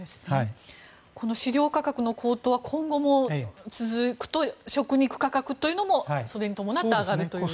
この飼料価格の高騰は今後も続くと食肉価格というのもそれに伴って上がるという？